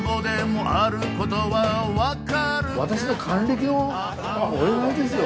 私の還暦のお祝いですよ。